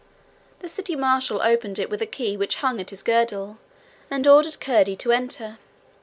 The city marshal opened it with a key which hung at his girdle, and ordered Curdie to enter.